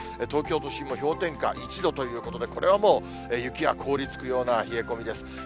東京都心も氷点下１度ということで、これはもう、雪が凍りつくような冷え込みです。